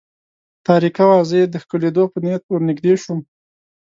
تاریکه وه، زه یې د ښکلېدو په نیت ور نږدې شوم.